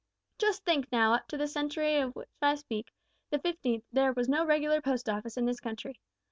Just think, now, up to the century of which I speak the fifteenth there was no regular Post Office in this country.